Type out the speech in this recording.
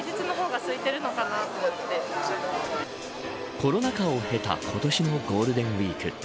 コロナ禍を経た今年のゴールデンウイーク